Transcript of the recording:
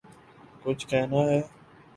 کچھ کہنا ہے